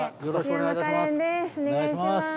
お願いします。